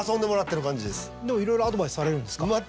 いろいろアドバイスされるんですか？